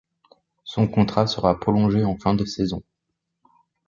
Son contrat sera prolongé en fin de saison.